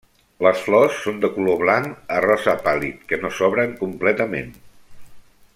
Les flors són de color blanc a rosa pàl·lid que no s'obren completament.